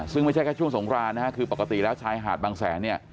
ซึ่งไม่ใช่แค่ช่วงสงรานะครับคือปกติแล้วชายหาดบางแสน